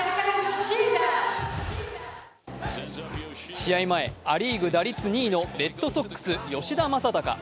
試合前、ア・リーグ打率２位のレッドソックス・吉田正尚。